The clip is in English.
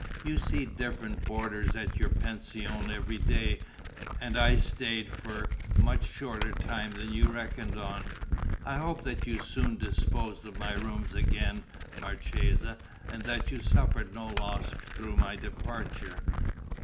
"You see different boarders at your pension every day and I stayed for a much shorter time than you reckoned on. I hope that you soon disposed of my rooms again, marchesa, and that you suffered no loss through my departure?"